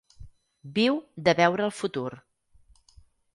Viu de veure el futur.